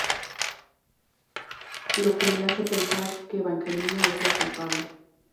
Lo que le hace pensar que Evangelina es la culpable.